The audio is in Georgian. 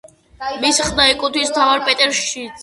მის ყდა ეკუთვნის მხატვარ პეტერ შმიდტს.